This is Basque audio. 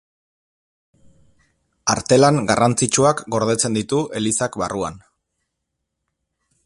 Artelan garrantzitsuak gordetzen ditu elizak barruan.